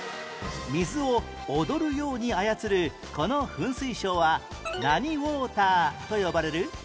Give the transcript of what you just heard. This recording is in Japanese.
水を踊るように操るこの噴水ショーは何ウォーターと呼ばれる？